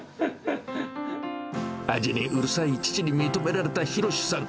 味にうるさい父に認められた博さん。